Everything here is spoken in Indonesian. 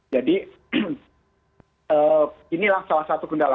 jadi inilah salah satu kendala